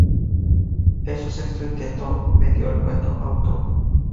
En su sexto intento vendió el cuento "Author!